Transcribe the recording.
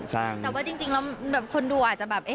แต่ว่าจริงคนดูอาจจะแบบ